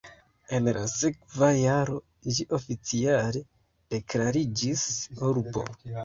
En la sekva jaro ĝi oficiale deklariĝis urbo.